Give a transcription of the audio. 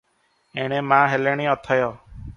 ଏଣେ ମା ହେଲେଣି ଅଥୟ ।